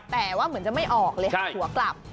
แต่ว่าเหมือนจะไม่ออกเลยหักหัวกลับ